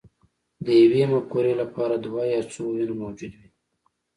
د یوې مفکورې لپاره دوه یا څو ویونه موجود وي